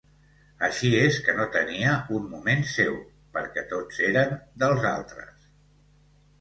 Així és que no tenia un moment seu, perquè tots eren dels altres.